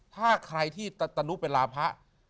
ถ้าใครที่ตนุเป็นลาพะ